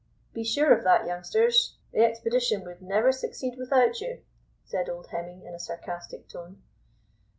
"Be sure of that, youngsters; the expedition would never succeed without you," said old Hemming in a sarcastic tone.